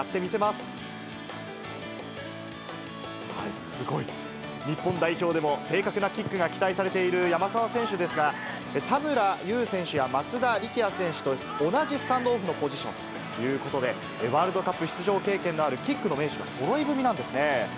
すごい。日本代表でも正確なキックが期待されている山沢選手ですが、田村優選手や松田力也選手と同じスタンドオフのポジションということで、ワールドカップ出場経験のあるキックの名手がそろい踏みなんですね。